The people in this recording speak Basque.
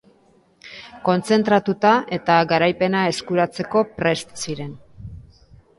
Kontzentratuta eta garaipena eskuratzeko prest ziren.